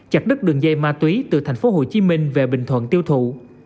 chặt đứt đường dây ma túy từ thành phố hồ chí minh về bình thuận tiêu thụ